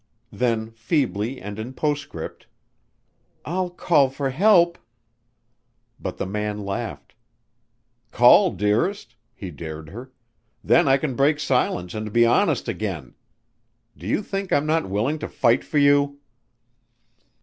Then feebly and in postscript, "I'll call for help." But the man laughed. "Call, dearest," he dared her. "Then I can break silence and be honest again. Do you think I'm not willing to fight for you?"